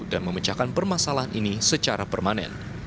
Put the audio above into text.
dan memecahkan permasalahan ini secara permanen